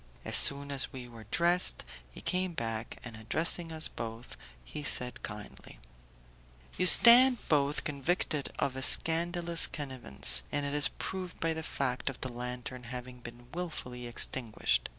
As soon as we were dressed, he came back, and addressing us both, he said, kindly: "You stand both convicted of a scandalous connivance, and it is proved by the fact of the lantern having been wilfully extinguished.